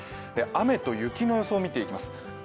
雨と雪の予想を見ていきます。